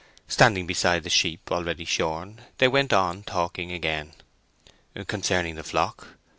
Standing beside the sheep already shorn, they went on talking again. Concerning the flock?